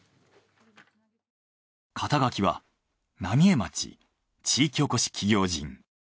肩書は浪江町地域おこし企業人。